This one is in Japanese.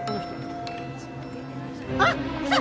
あっ来た！